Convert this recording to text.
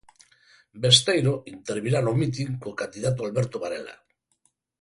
Besteiro intervirá no mitin co candidato Alberto Varela.